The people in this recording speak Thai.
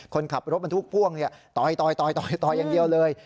คนขับรถพ่วงตอยอย่างเดียวเลย